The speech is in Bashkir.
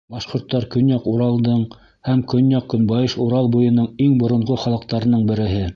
Башҡорттар — Көньяҡ Уралдың һәм Көньяҡ-көнбайыш Урал буйының иң боронғо халыҡтарының береһе.